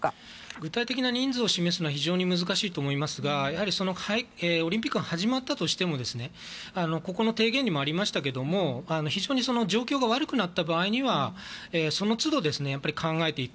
具体的な人数を示すのは非常に難しいと思いますがオリンピックが始まったとしてもここの提言にもありましたけど非常に状況が悪くなった場合にはその都度考えていく。